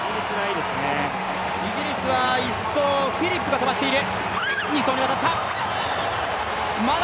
イギリスは１走、フィリップが飛ばしている。